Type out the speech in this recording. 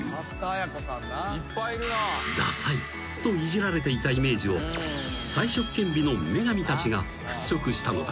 ［ださいとイジられていたイメージを才色兼備の女神たちが払拭したのだ］